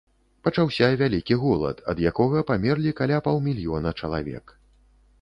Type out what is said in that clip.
Пачаўся вялікі голад, ад якога памерлі каля паўмільёна чалавек.